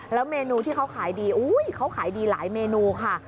แล้วเมนูที่เขาขายดีเขาขายดีหลายเมนูค่ะ